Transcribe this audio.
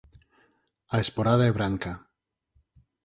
A esporada é branca.